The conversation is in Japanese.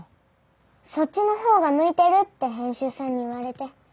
そっちのほうが向いてるって編集さんに言われて。